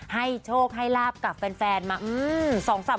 ให้โชคให้ลาบกับแฟนมา